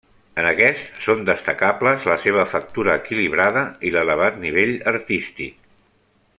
En aquests, són destacables la seva factura equilibrada i l'elevat nivell artístic.